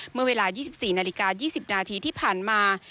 เมื่อเวลา๒๔นาฬิกา๒๐นาทีที่ผ่านมา